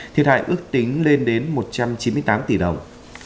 thiệt hại ước tính lên đến một trăm chín mươi tám tỷ đồng